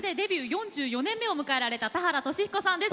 ４４年目を迎えられた田原俊彦さんです。